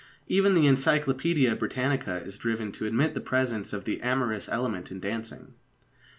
Even the Encyclopædia Britannica is driven to admit the presence of the amorous element in dancing.